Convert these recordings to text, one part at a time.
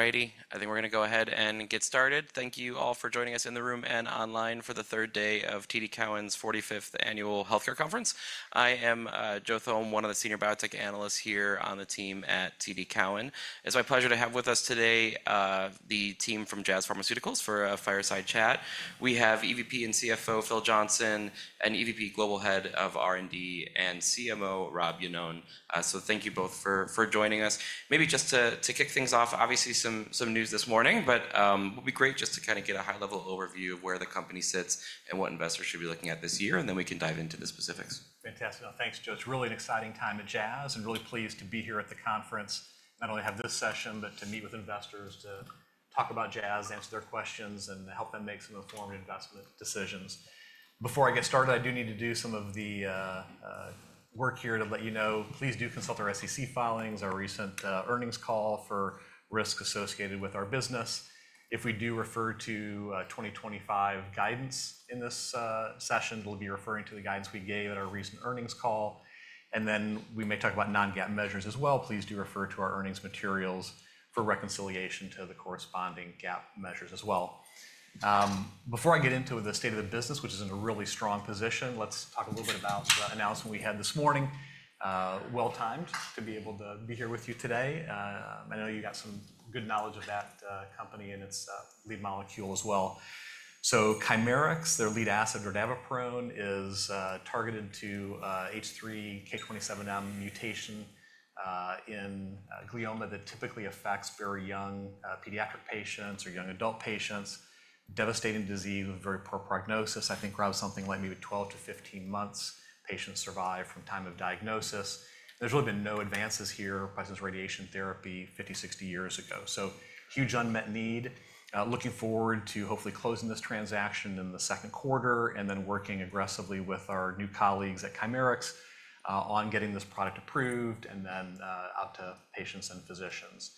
Alrighty, I think we're going to go ahead and get started. Thank you all for joining us in the room and online for the third day of TD Cowen's 45th Annual Healthcare Conference. I am Joe Thome, one of the Senior Biotech Analysts here on the team at TD Cowen. It's my pleasure to have with us today the team from Jazz Pharmaceuticals for a fireside chat. We have EVP and CFO Phil Johnson, and EVP Global Head of R&D and CMO Rob Iannone. So thank you both for joining us. Maybe just to kick things off, obviously some news this morning, but it would be great just to kind of get a high-level overview of where the company sits and what investors should be looking at this year, and then we can dive into the specifics. Fantastic. Thanks, Joe. It's really an exciting time at Jazz and really pleased to be here at the conference, not only have this session, but to meet with investors, to talk about Jazz, answer their questions, and help them make some informed investment decisions. Before I get started, I do need to do some of the work here to let you know. Please do consult our SEC filings, our recent earnings call for risk associated with our business. If we do refer to 2025 guidance in this session, we'll be referring to the guidance we gave at our recent earnings call. And then we may talk about non-GAAP measures as well. Please do refer to our earnings materials for reconciliation to the corresponding GAAP measures as well. Before I get into the state of the business, which is in a really strong position, let's talk a little bit about the announcement we had this morning, well-timed to be able to be here with you today. I know you got some good knowledge of that company and its lead molecule as well. Chimerix, their lead asset, or dordaviprone, is targeted to H3K27M mutation in glioma that typically affects very young pediatric patients or young adult patients. Devastating disease with very poor prognosis. I think around something like maybe 12 to 15 months patients survive from time of diagnosis. There's really been no advances here since radiation therapy 50 to 60 years ago. Huge unmet need. Looking forward to hopefully closing this transaction in the second quarter and then working aggressively with our new colleagues at Chimerix on getting this product approved and then out to patients and physicians.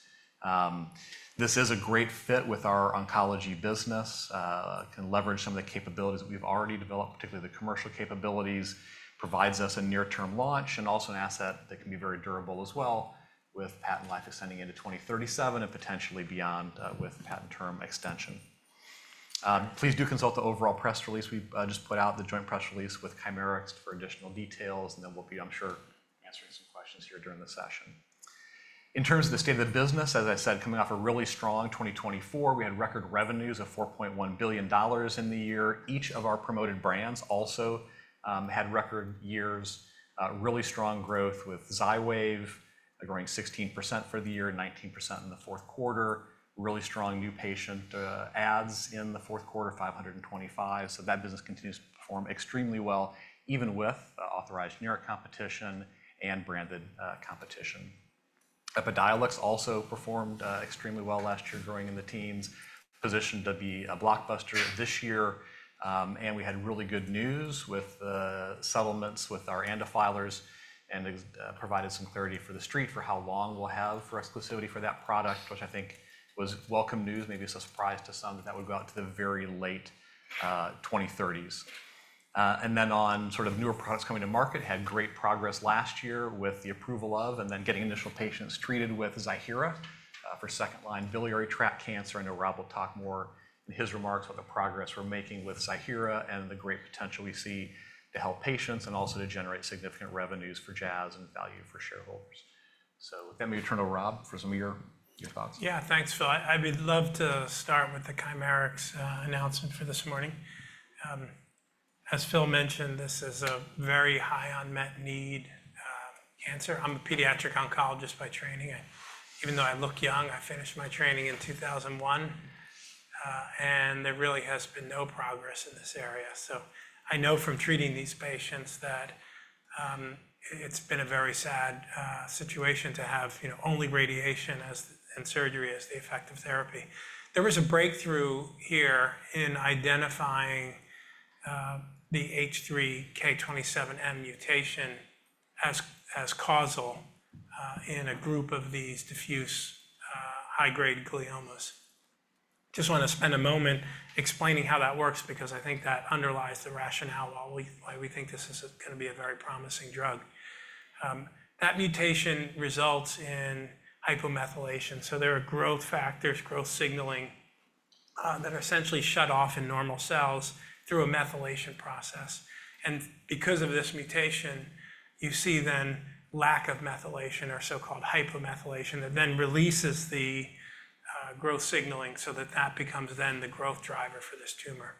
This is a great fit with our oncology business. It can leverage some of the capabilities that we've already developed, particularly the commercial capabilities, provides us a near-term launch and also an asset that can be very durable as well with patent life extending into 2037 and potentially beyond with patent term extension. Please do consult the overall press release. We just put out the joint press release with Chimerix for additional details, and then we'll be, I'm sure, answering some questions here during the session. In terms of the state of the business, as I said, coming off a really strong 2024, we had record revenues of $4.1 billion in the year. Each of our promoted brands also had record years, really strong growth with Xywav, growing 16% for the year and 19% in the fourth quarter. Really strong new patient adds in the fourth quarter, 525. So that business continues to perform extremely well, even with authorized generic competition and branded competition. Epidiolex also performed extremely well last year, growing in the teens, positioned to be a blockbuster this year. And we had really good news with the settlements with our ANDA filers and provided some clarity for the street for how long we'll have exclusivity for that product, which I think was welcome news. Maybe it's a surprise to some that that would go out to the very late 2030s.And then, on sort of newer products coming to market, had great progress last year with the approval of and then getting initial patients treated with Ziihera for second-line biliary tract cancer. I know Rob will talk more in his remarks about the progress we're making with Ziihera and the great potential we see to help patients and also to generate significant revenues for Jazz and value for shareholders. So with that, maybe turn to Rob for some of your thoughts. Yeah, thanks, Phil. I would love to start with the Chimerix announcement for this morning. As Phil mentioned, this is a very high unmet need cancer. I'm a pediatric oncologist by training. Even though I look young, I finished my training in 2001, and there really has been no progress in this area. So I know from treating these patients that it's been a very sad situation to have only radiation and surgery as the effective therapy. There was a breakthrough here in identifying the H3K27M mutation as causal in a group of these diffuse high-grade gliomas. Just want to spend a moment explaining how that works because I think that underlies the rationale why we think this is going to be a very promising drug. That mutation results in hypomethylation. So there are growth factors, growth signaling that are essentially shut off in normal cells through a methylation process. And because of this mutation, you see then lack of methylation or so-called hypomethylation that then releases the growth signaling so that that becomes then the growth driver for this tumor.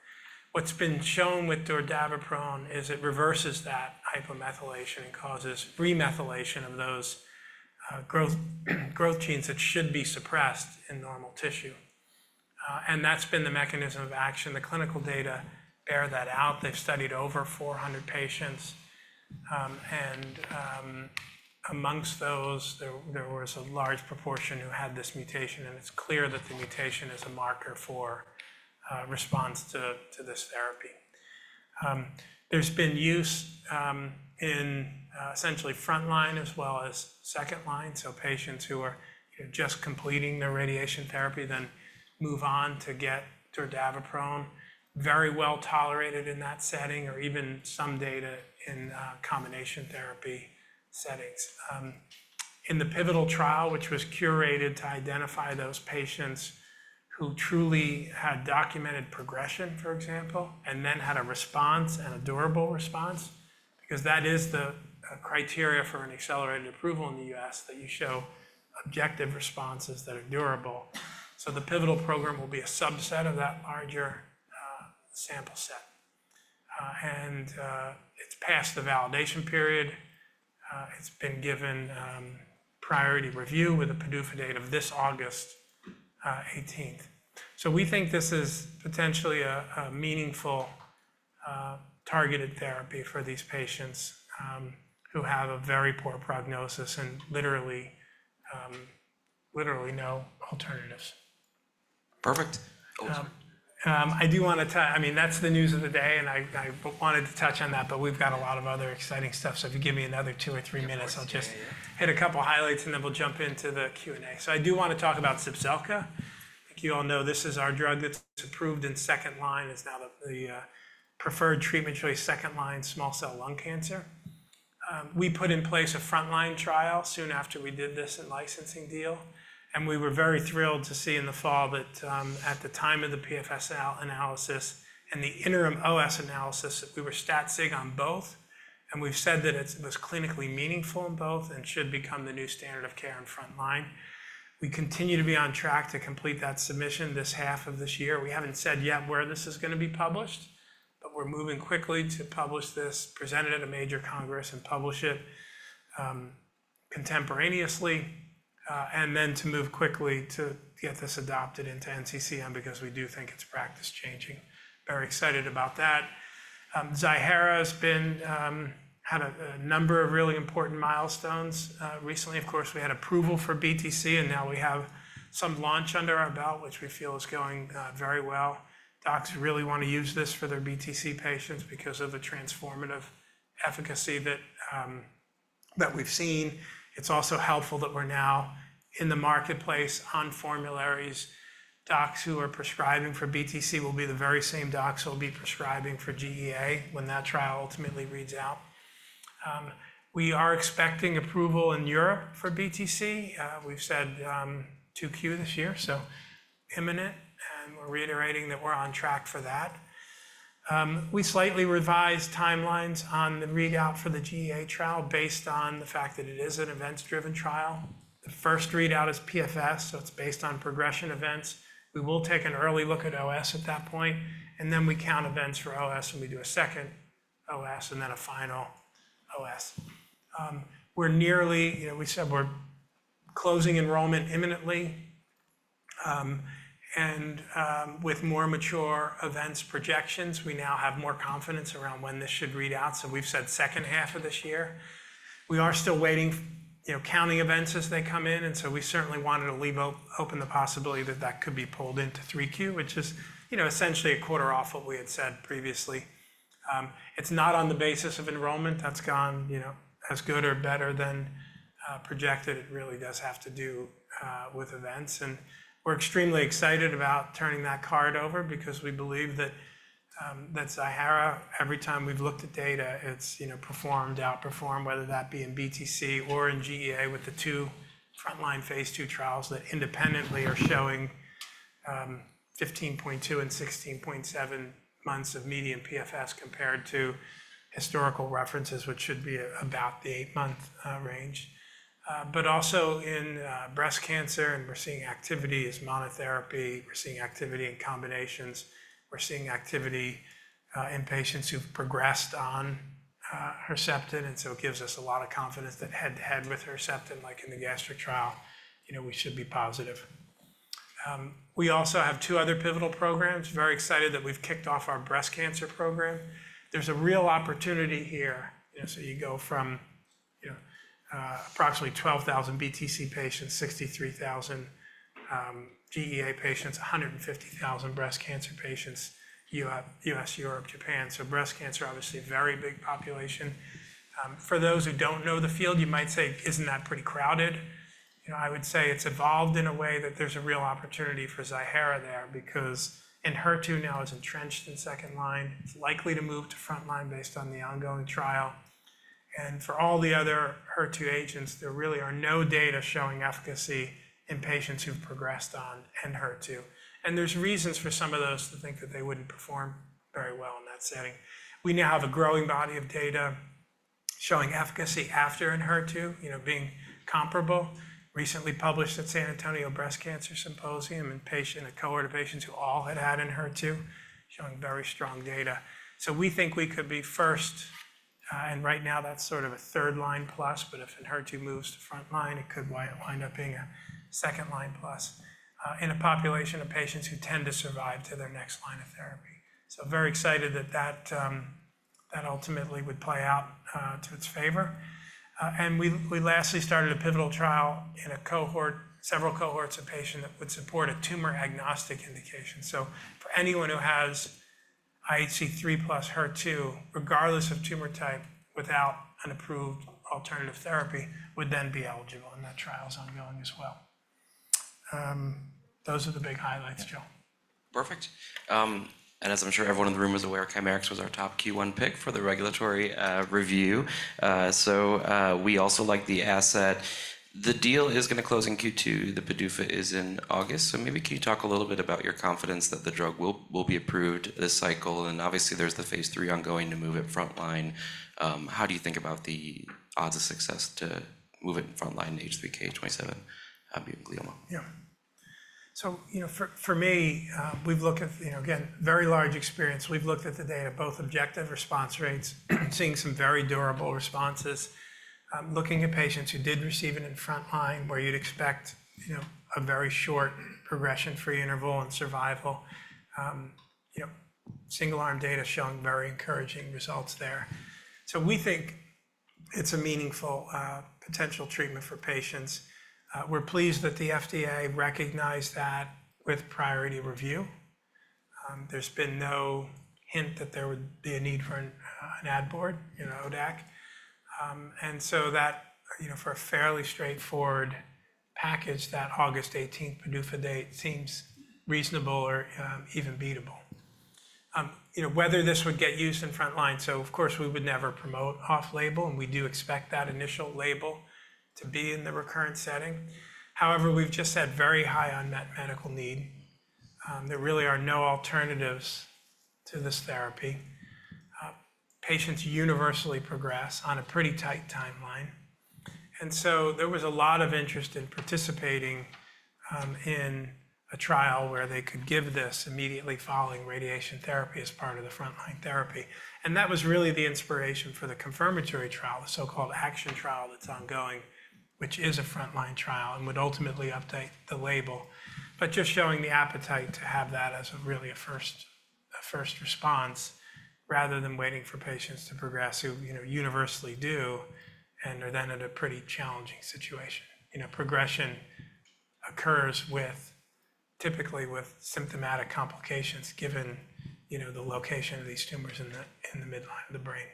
What's been shown with dordaviprone is it reverses that hypomethylation and causes remethylation of those growth genes that should be suppressed in normal tissue. And that's been the mechanism of action. The clinical data bear that out. They've studied over 400 patients. And amongst those, there was a large proportion who had this mutation. And it's clear that the mutation is a marker for response to this therapy. There's been use in essentially frontline as well as second line. So patients who are just completing their radiation therapy then move on to get dordaviprone, very well tolerated in that setting, or even some data in combination therapy settings. In the pivotal trial, which was curated to identify those patients who truly had documented progression, for example. And then had a response and a durable response, because that is the criteria for an accelerated approval in the US that you show objective responses that are durable. So the pivotal program will be a subset of that larger sample set. And it's passed the validation period. It's been given priority review with a PDUFA date of this August 18th. So we think this is potentially a meaningful targeted therapy for these patients who have a very poor prognosis and literally no alternatives. Perfect. I do want to tell you, I mean, that's the news of the day, and I wanted to touch on that, but we've got a lot of other exciting stuff. So if you give me another two or three minutes, I'll just hit a couple of highlights and then we'll jump into the Q&A. So I do want to talk about Zepzelca. You all know this is our drug that's approved in second line. It's now the preferred treatment choice second line small cell lung cancer. We put in place a frontline trial soon after we did this in-licensing deal. And we were very thrilled to see in the fall that at the time of the PFS analysis and the interim OS analysis, we were stat-sig on both. And we've said that it was clinically meaningful in both and should become the new standard of care in frontline. We continue to be on track to complete that submission this half of this year. We haven't said yet where this is going to be published, but we're moving quickly to publish this, present it at a major congress, and publish it contemporaneously, and then to move quickly to get this adopted into NCCN because we do think it's practice changing. Very excited about that. Ziihera has had a number of really important milestones. Recently, of course, we had approval for BTC, and now we have some launch under our belt, which we feel is going very well. Docs really want to use this for their BTC patients because of the transformative efficacy that we've seen. It's also helpful that we're now in the marketplace on formularies. Docs who are prescribing for BTC will be the very same docs who will be prescribing for GEA when that trial ultimately reads out. We are expecting approval in Europe for BTC. We've said 2Q this year, so imminent, and we're reiterating that we're on track for that. We slightly revised timelines on the readout for the GEA trial based on the fact that it is an events-driven trial. The first readout is PFS, so it's based on progression events. We will take an early look at OS at that point, and then we count events for OS, and we do a second OS, and then a final OS. We said we're closing enrollment imminently, and with more mature events projections, we now have more confidence around when this should read out, so we've said second half of this year. We are still waiting, counting events as they come in. And so we certainly wanted to leave open the possibility that that could be pulled into 3Q, which is essentially a quarter off what we had said previously. It's not on the basis of enrollment that's gone as good or better than projected. It really does have to do with events. And we're extremely excited about turning that card over because we believe that Ziihera, every time we've looked at data, it's performed, outperformed, whether that be in BTC or in GEA with the two frontline phase two trials that independently are showing 15.2 and 16.7 months of median PFS compared to historical references, which should be about the eight-month range. But also in breast cancer, and we're seeing activity as monotherapy. We're seeing activity in combinations. We're seeing activity in patients who've progressed on Herceptin. It gives us a lot of confidence that head-to-head with Herceptin, like in the gastric trial, we should be positive. We also have two other pivotal programs. We are very excited that we've kicked off our breast cancer program. There's a real opportunity here. You go from approximately 12,000 BTC patients, 63,000 GEA patients, 150,000 breast cancer patients, US, Europe, Japan. Breast cancer obviously is a very big population. For those who don't know the field, you might say, "Isn't that pretty crowded?" I would say it's evolved in a way that there's a real opportunity for Ziihera there because in HER2 now is entrenched in second line. It's likely to move to frontline based on the ongoing trial. For all the other HER2 agents, there really are no data showing efficacy in patients who've progressed on HER2. And there's reasons for some of those to think that they wouldn't perform very well in that setting. We now have a growing body of data showing efficacy after HER2, being comparable. Recently published at San Antonio Breast Cancer Symposium in a cohort of patients who all had had HER2, showing very strong data. So we think we could be first, and right now that's sort of a third line plus, but if HER2 moves to frontline, it could wind up being a second line plus in a population of patients who tend to survive to their next line of therapy. So very excited that that ultimately would play out to its favor. And we lastly started a pivotal trial in a cohort, several cohorts of patients that would support a tumor agnostic indication. So for anyone who has IHC3 plus HER2, regardless of tumor type, without an approved alternative therapy, would then be eligible. And that trial is ongoing as well. Those are the big highlights, Joe. Perfect. And as I'm sure everyone in the room is aware, Chimerix was our top Q1 pick for the regulatory review. So we also like the asset. The deal is going to close in Q2. The PDUFA is in August. So maybe can you talk a little bit about your confidence that the drug will be approved this cycle? And obviously, there's the phase three ongoing to move it frontline. How do you think about the odds of success to move it in frontline in H3K27? Yeah. So for me, we've looked at, again, very large experience. We've looked at the data, both objective response rates, seeing some very durable responses, looking at patients who did receive it in frontline where you'd expect a very short progression-free interval and survival. Single-arm data showing very encouraging results there. So we think it's a meaningful potential treatment for patients. We're pleased that the FDA recognized that with priority review. There's been no hint that there would be a need for an ad board, an ODAC. And so that for a fairly straightforward package, that August 18th PDUFA date seems reasonable or even beatable. Whether this would get used in frontline, so of course, we would never promote off-label, and we do expect that initial label to be in the recurrent setting. However, we've just said very high unmet medical need. There really are no alternatives to this therapy. Patients universally progress on a pretty tight timeline. And so there was a lot of interest in participating in a trial where they could give this immediately following radiation therapy as part of the frontline therapy. And that was really the inspiration for the confirmatory trial, the so-called action trial that's ongoing, which is a frontline trial and would ultimately update the label, but just showing the appetite to have that as really a first response rather than waiting for patients to progress who universally do and are then at a pretty challenging situation. Progression occurs typically with symptomatic complications given the location of these tumors in the midline of the brain.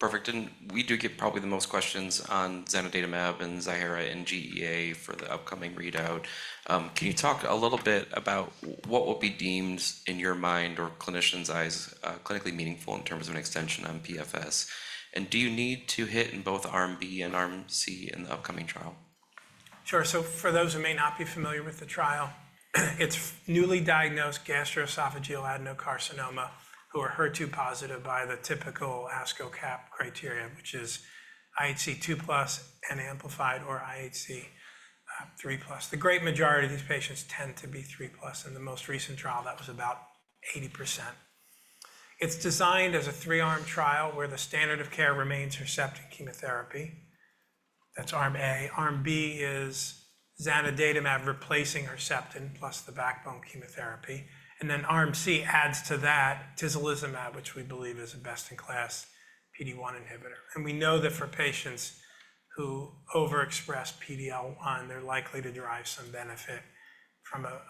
Perfect. And we do get probably the most questions on zanidatamab and Ziihera and GEA for the upcoming readout. Can you talk a little bit about what will be deemed in your mind or clinicians' eyes clinically meaningful in terms of an extension on PFS? And do you need to hit in both Arm B and Arm C in the upcoming trial? Sure. So for those who may not be familiar with the trial, it's newly diagnosed gastroesophageal adenocarcinoma who are HER2 positive by the typical ASCO-CAP criteria, which is IHC2 plus and amplified or IHC3 plus. The great majority of these patients tend to be 3 plus. In the most recent trial, that was about 80%. It's designed as a three-arm trial where the standard of care remains Herceptin chemotherapy. That's arm A. Arm B is zanidatamab replacing Herceptin plus the backbone chemotherapy. And then arm C adds to that tislelizumab, which we believe is a best-in-class PD-1 inhibitor. And we know that for patients who overexpress PD-L1, they're likely to derive some benefit from a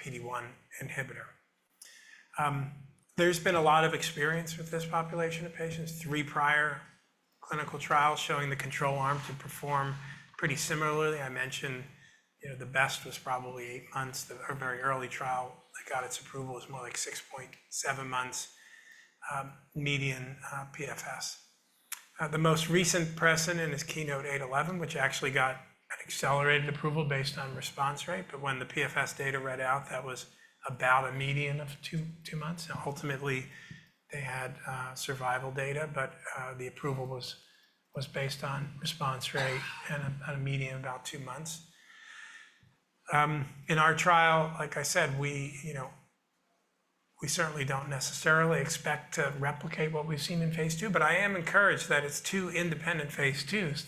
PD-1 inhibitor. There's been a lot of experience with this population of patients. Three prior clinical trials showing the control arm to perform pretty similarly. I mentioned the best was probably eight months. The very early trial that got its approval was more like 6.7 months median PFS. The most recent precedent is KEYNOTE-811, which actually got an accelerated approval based on response rate. But when the PFS data read out, that was about a median of two months. Now, ultimately, they had survival data, but the approval was based on response rate and a median of about two months. In our trial, like I said, we certainly don't necessarily expect to replicate what we've seen in phase two, but I am encouraged that it's two independent phase twos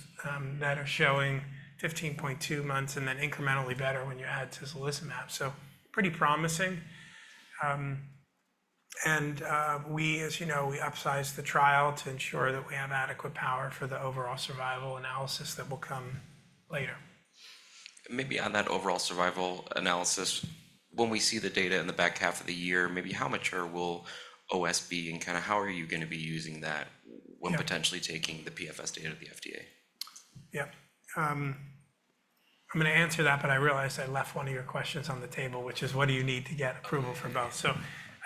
that are showing 15.2 months and then incrementally better when you add atezolizumab. So pretty promising. And as you know, we upsized the trial to ensure that we have adequate power for the overall survival analysis that will come later. Maybe on that overall survival analysis, when we see the data in the back half of the year, maybe how mature will OS be and kind of how are you going to be using that when potentially taking the PFS data of the FDA? Yeah. I'm going to answer that, but I realized I left one of your questions on the table, which is, what do you need to get approval for both? So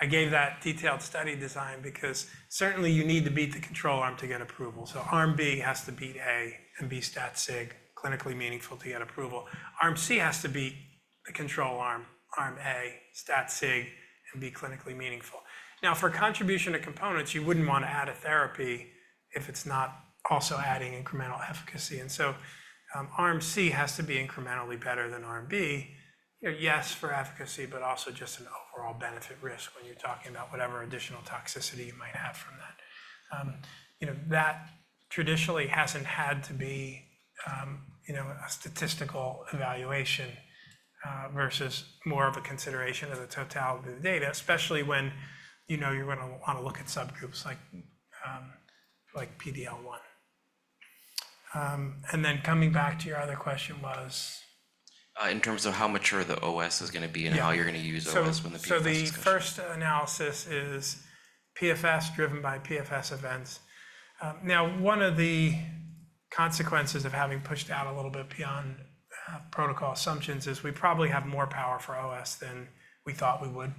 I gave that detailed study design because certainly you need to beat the control arm to get approval. So arm B has to beat A and be stat-sig, clinically meaningful to get approval. Arm C has to beat the control arm, arm A, stat-sig, and be clinically meaningful. Now, for contribution to components, you wouldn't want to add a therapy if it's not also adding incremental efficacy. And so arm C has to be incrementally better than arm B. Yes for efficacy, but also just an overall benefit risk when you're talking about whatever additional toxicity you might have from that. That traditionally hasn't had to be a statistical evaluation versus more of a consideration of the totality of the data, especially when you're going to want to look at subgroups like PD-L1. And then coming back to your other question was. In terms of how mature the OS is going to be and how you're going to use OS when the PFS is done. So the first analysis is PFS driven by PFS events. Now, one of the consequences of having pushed out a little bit beyond protocol assumptions is we probably have more power for OS than we thought we would.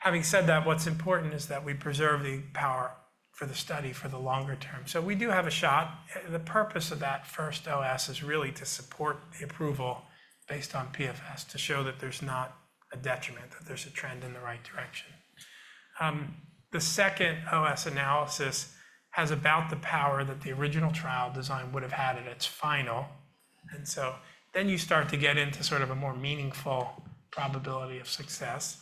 Having said that, what's important is that we preserve the power for the study for the longer term. So we do have a shot. The purpose of that first OS is really to support the approval based on PFS to show that there's not a detriment, that there's a trend in the right direction. The second OS analysis has about the power that the original trial design would have had at its final. And so then you start to get into sort of a more meaningful probability of success.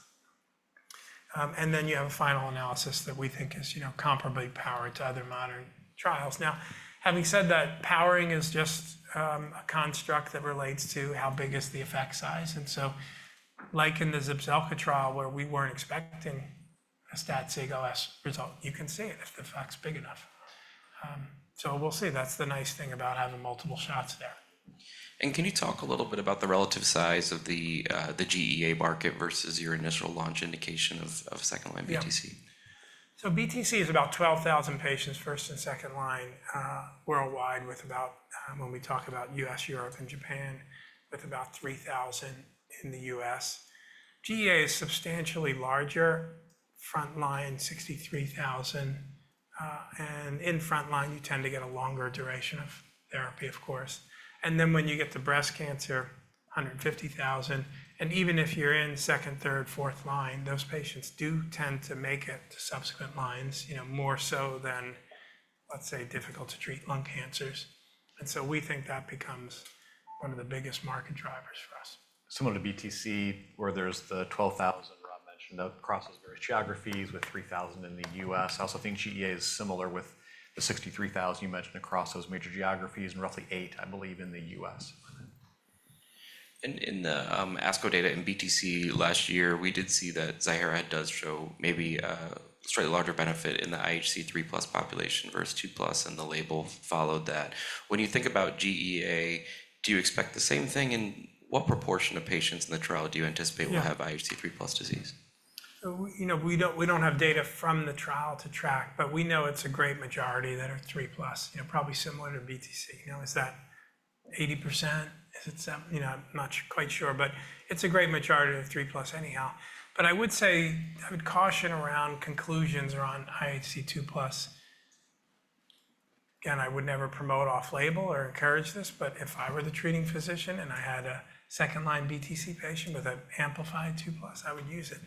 And then you have a final analysis that we think is comparably powered to other modern trials. Now, having said that, powering is just a construct that relates to how big is the effect size. And so like in the Zepzelca trial where we weren't expecting a stat-sig OS result, you can see it if the effect's big enough. So we'll see. That's the nice thing about having multiple shots there. And can you talk a little bit about the relative size of the GEA market versus your initial launch indication of second-line BTC? Yeah. So BTC is about 12,000 patients first and second line worldwide, when we talk about US, Europe, and Japan, with about 3,000 in the US. GEA is substantially larger, frontline 63,000. And in frontline, you tend to get a longer duration of therapy, of course. And then when you get to breast cancer, 150,000. And even if you're in second, third, fourth line, those patients do tend to make it to subsequent lines more so than, let's say, difficult-to-treat lung cancers. And so we think that becomes one of the biggest market drivers for us. Similar to BTC, where there's the 12,000 Rob mentioned across those various geographies with 3,000 in the US. I also think GEA is similar with the 63,000 you mentioned across those major geographies and roughly eight, I believe, in the US. In the ASCO data in BTC last year, we did see that Ziihera does show maybe a slightly larger benefit in the IHC3 plus population versus 2 plus, and the label followed that. When you think about GEA, do you expect the same thing? What proportion of patients in the trial do you anticipate will have IHC3 plus disease? We don't have data from the trial to track, but we know it's a great majority that are 3 plus, probably similar to BTC. Is that 80%? I'm not quite sure, but it's a great majority of 3 plus anyhow. But I would say I would caution around conclusions around IHC 2 plus. Again, I would never promote off-label or encourage this, but if I were the treating physician and I had a second-line BTC patient with an amplified 2 plus, I would use it.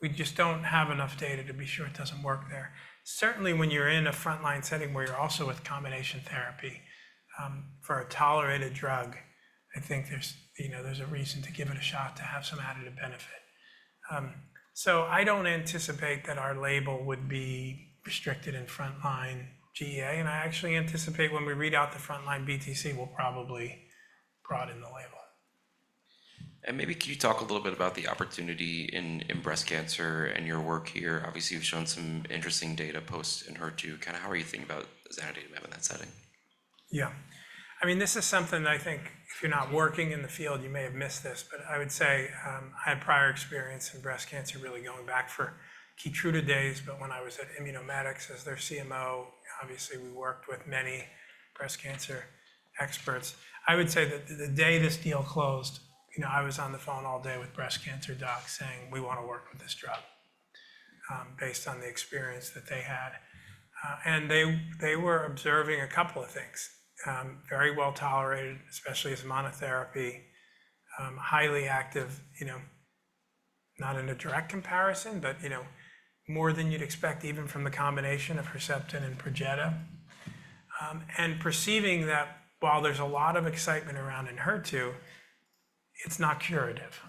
We just don't have enough data to be sure it doesn't work there. Certainly, when you're in a frontline setting where you're also with combination therapy for a tolerated drug, I think there's a reason to give it a shot to have some additive benefit. So I don't anticipate that our label would be restricted in frontline GEA. I actually anticipate when we read out the frontline BTC, we'll probably broaden the label. And maybe can you talk a little bit about the opportunity in breast cancer and your work here? Obviously, you've shown some interesting data positive and HER2. Kind of how are you thinking about zanidatamab in that setting? Yeah. I mean, this is something that I think if you're not working in the field, you may have missed this, but I would say I had prior experience in breast cancer really going back for Keytruda days, but when I was at Immunomedics as their CMO, obviously, we worked with many breast cancer experts. I would say that the day this deal closed, I was on the phone all day with breast cancer docs saying, "We want to work with this drug based on the experience that they had." They were observing a couple of things, very well tolerated, especially as monotherapy, highly active, not in a direct comparison, but more than you'd expect even from the combination of Herceptin and Perjeta. They were perceiving that while there's a lot of excitement around Enhertu, it's not curative.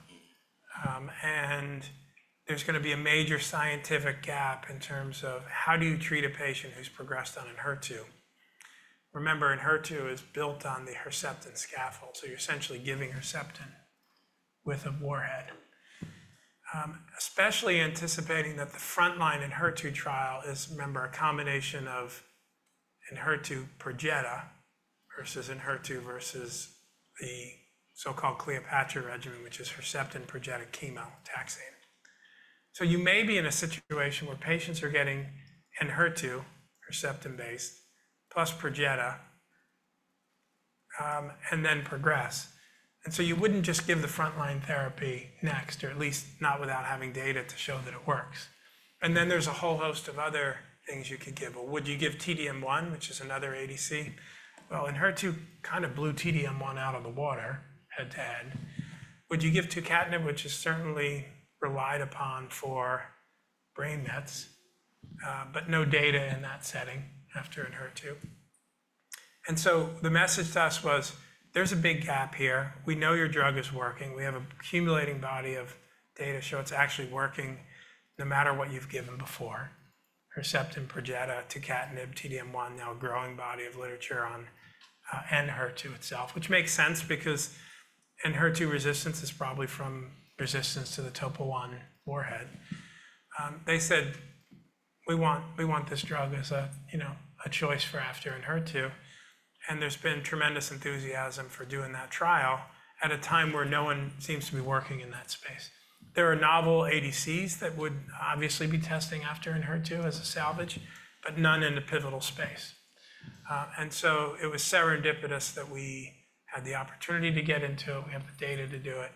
There's going to be a major scientific gap in terms of how do you treat a patient who's progressed on Enhertu. Remember, Enhertu is built on the Herceptin scaffold. So you're essentially giving Herceptin with a warhead, especially anticipating that the frontline Enhertu trial is, remember, a combination of Enhertu-Perjeta versus Enhertu versus the so-called Cleopatra regimen, which is Herceptin-Perjeta chemotherapy. So you may be in a situation where patients are getting Enhertu, Herceptin-based, plus Perjeta, and then progress. And so you wouldn't just give the frontline therapy next, or at least not without having data to show that it works. And then there's a whole host of other things you could give. Would you give T-DM1, which is another ADC? Well, Enhertu kind of blew T-DM1 out of the water head-to-head. Would you give tucatinib, which is certainly relied upon for brain mets, but no data in that setting after Enhertu? And so the message to us was, there's a big gap here. We know your drug is working. We have an accumulating body of data to show it's actually working no matter what you've given before, Herceptin-Perjeta, tucatinib, T-DM1, now a growing body of literature on Enhertu itself, which makes sense because Enhertu resistance is probably from resistance to the Topo I warhead. They said, "We want this drug as a choice for after Enhertu." And there's been tremendous enthusiasm for doing that trial at a time where no one seems to be working in that space. There are novel ADCs that would obviously be testing after Enhertu as a salvage, but none in the pivotal space. And so it was serendipitous that we had the opportunity to get into it. We have the data to do it.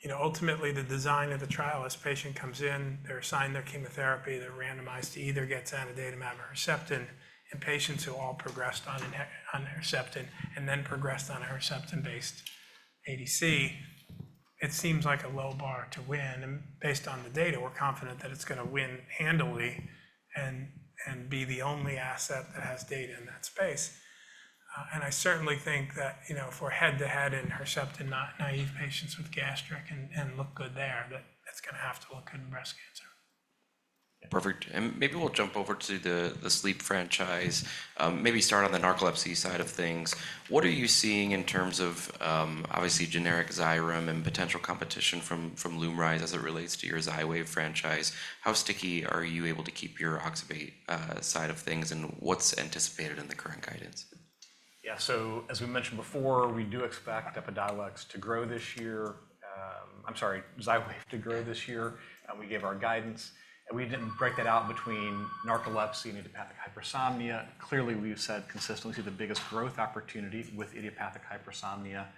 And ultimately, the design of the trial is patient comes in, they're assigned their chemotherapy, they're randomized to either get zanidatamab or Herceptin, and patients who all progressed on Herceptin and then progressed on a Herceptin-based ADC. It seems like a low bar to win. And based on the data, we're confident that it's going to win handily and be the only asset that has data in that space. And I certainly think that if we're head-to-head in Herceptin, not naive patients with gastric and look good there, that it's going to have to look good in breast cancer. Perfect. And maybe we'll jump over to the sleep franchise. Maybe start on the narcolepsy side of things. What are you seeing in terms of obviously generic Xyrem and potential competition from Lumryz as it relates to your Xywav franchise? How sticky are you able to keep your oxybate side of things, and what's anticipated in the current guidance? Yeah. So as we mentioned before, we do expect Epidiolex to grow this year. I'm sorry, Xywave to grow this year. We gave our guidance. We didn't break that out between narcolepsy and idiopathic hypersomnia. Clearly, we've said consistently we see the biggest growth opportunity with idiopathic hypersomnia. As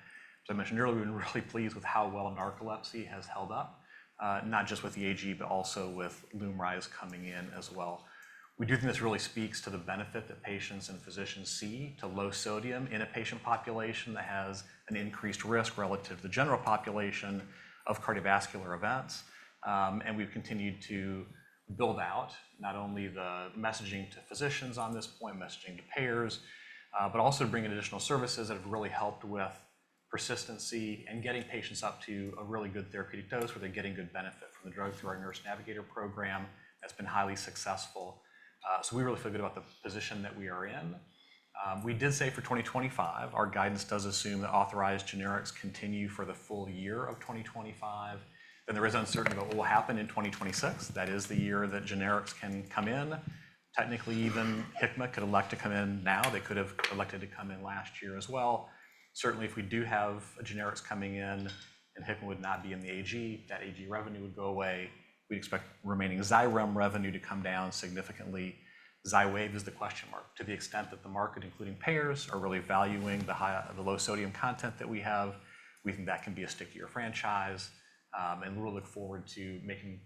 I mentioned earlier, we've been really pleased with how well narcolepsy has held up, not just with the AG, but also with Lumryz coming in as well. We do think this really speaks to the benefit that patients and physicians see to low sodium in a patient population that has an increased risk relative to the general population of cardiovascular events. And we've continued to build out not only the messaging to physicians on this point, messaging to payers, but also bringing additional services that have really helped with persistency and getting patients up to a really good therapeutic dose where they're getting good benefit from the drug through our nurse navigator program that's been highly successful. So we really feel good about the position that we are in. We did say for 2025, our guidance does assume that authorized generics continue for the full year of 2025. And there is uncertainty about what will happen in 2026. That is the year that generics can come in. Technically, even Hikma could elect to come in now. They could have elected to come in last year as well. Certainly, if we do have generics coming in and Hikma would not be in the AG, that AG revenue would go away. We'd expect remaining Xyrem revenue to come down significantly. Xywav is the question mark to the extent that the market, including payers, are really valuing the low sodium content that we have. We think that can be a stickier franchise. And we'll look forward to making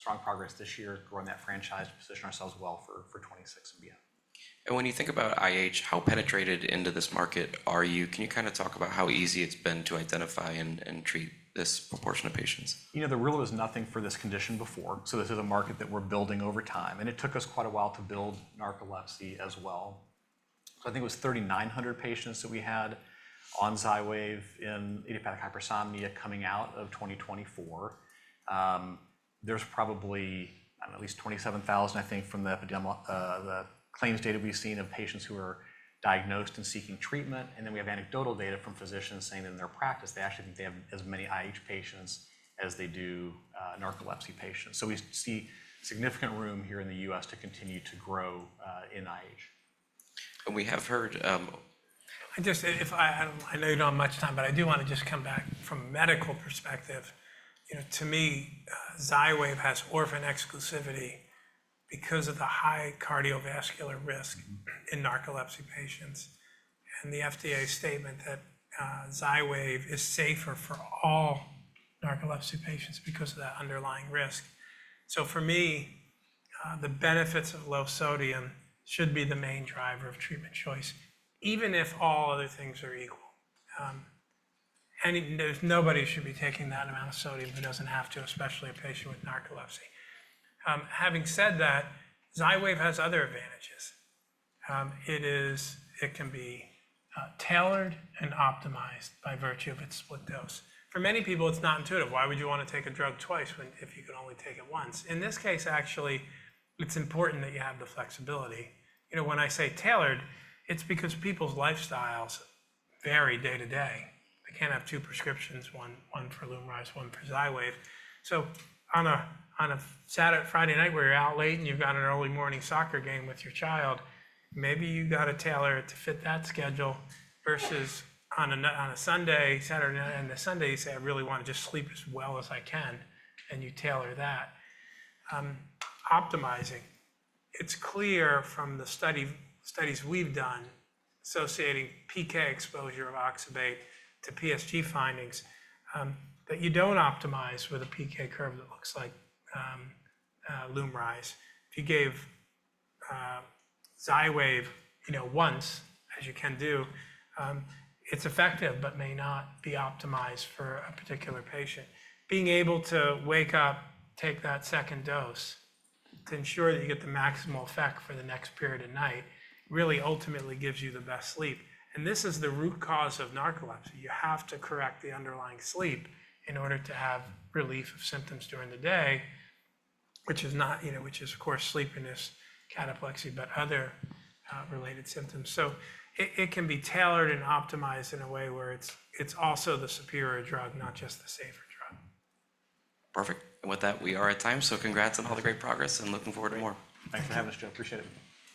strong progress this year, growing that franchise to position ourselves well for 2026 and beyond. When you think about IH, how penetrated into this market are you? Can you kind of talk about how easy it's been to identify and treat this proportion of patients? You know, the rule was nothing for this condition before. So this is a market that we're building over time. And it took us quite a while to build narcolepsy as well. So I think it was 3,900 patients that we had on Xywave in idiopathic hypersomnia coming out of 2024. There's probably at least 27,000, I think, from the claims data we've seen of patients who are diagnosed and seeking treatment. And then we have anecdotal data from physicians saying in their practice, they actually think they have as many IH patients as they do narcolepsy patients. So we see significant room here in the US to continue to grow in IH. We have heard. I just, I know you don't have much time, but I do want to just come back from a medical perspective. To me, Xywave has orphan exclusivity because of the high cardiovascular risk in narcolepsy patients and the FDA statement that Xywave is safer for all narcolepsy patients because of that underlying risk. So for me, the benefits of low sodium should be the main driver of treatment choice, even if all other things are equal. And nobody should be taking that amount of sodium who doesn't have to, especially a patient with narcolepsy. Having said that, Xywave has other advantages. It can be tailored and optimized by virtue of its split dose. For many people, it's not intuitive. Why would you want to take a drug twice if you can only take it once? In this case, actually, it's important that you have the flexibility. When I say tailored, it's because people's lifestyles vary day to day. They can't have two prescriptions, one for Lumryz, one for Xywav. So on a Friday night where you're out late and you've got an early morning soccer game with your child, maybe you've got to tailor it to fit that schedule versus on a Sunday, Saturday, and a Sunday, you say, "I really want to just sleep as well as I can," and you tailor that. Optimizing. It's clear from the studies we've done associating PK exposure of oxybate to PSG findings that you don't optimize with a PK curve that looks like Lumryz. If you gave Xywav once, as you can do, it's effective but may not be optimized for a particular patient. Being able to wake up, take that second dose to ensure that you get the maximal effect for the next period of night really ultimately gives you the best sleep. And this is the root cause of narcolepsy. You have to correct the underlying sleep in order to have relief of symptoms during the day, which is of course sleepiness, cataplexy, but other related symptoms. So it can be tailored and optimized in a way where it's also the superior drug, not just the safer drug. Perfect. And with that, we are at time. So congrats on all the great progress and looking forward to more. Thanks for having us, Joe. Appreciate it.